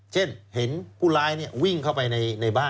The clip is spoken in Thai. เช่นเห็นผู้ร้ายวิ่งเข้าไปในบ้าน